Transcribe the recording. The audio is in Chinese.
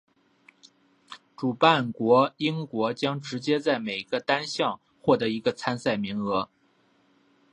主办国英国将直接在每个单项获得一个参赛名额。